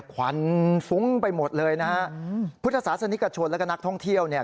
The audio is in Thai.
ควันฟุ้งไปหมดเลยนะฮะพุทธศาสนิกชนแล้วก็นักท่องเที่ยวเนี่ย